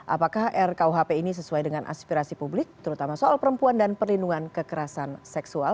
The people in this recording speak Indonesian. apakah rkuhp ini sesuai dengan aspirasi publik terutama soal perempuan dan perlindungan kekerasan seksual